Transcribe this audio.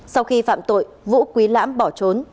sau khi phạm tội vũ quý lãm bỏ trốn